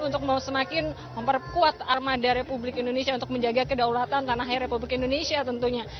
untuk mau semakin memperkuat armada republik indonesia untuk menjaga kedaulatan tanah air republik indonesia tentunya